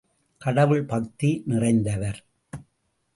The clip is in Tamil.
கடவுள் பக்தி நிறைந்தவர்.